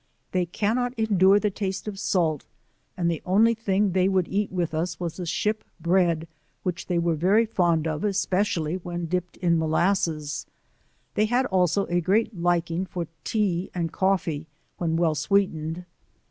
They cannot endure the taste of salt, and the only thing they would eat with us was the ship bread which they were very fond of, especially when dipped ia molasses, they had also a ^reat liking for tea and co£fee, when well sweetened.